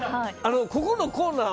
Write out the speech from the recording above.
ここのコーナー